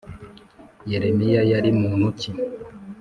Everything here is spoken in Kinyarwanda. yelemiya yari muntu ki?